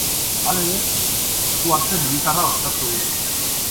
Halere, esku-hartze militarra baztertu du.